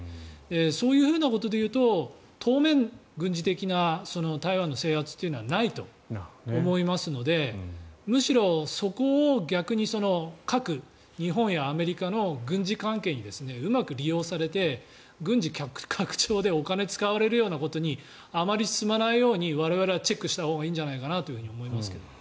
そういうふうなことでいうと当面軍事的な台湾の制圧というのはないと思いますのでむしろ、そこを逆に日本やアメリカの軍事関係にうまく利用されて、軍事拡張でお金を使われるようなことにあまり進まないように我々はチェックしたほうがいいんじゃないかなと思いますね。